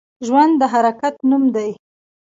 ژوند د حرکت نوم دی